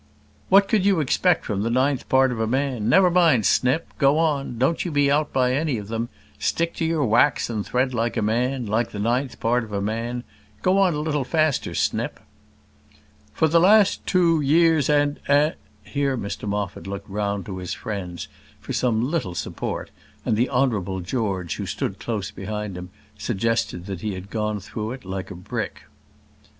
"What could you expect from the ninth part of a man? Never mind, Snip go on; don't you be put out by any of them. Stick to your wax and thread like a man like the ninth part of a man go on a little faster, Snip." "For the last two years and and " Here Mr Moffat looked round to his friends for some little support, and the Honourable George, who stood close behind him, suggested that he had gone through it like a brick.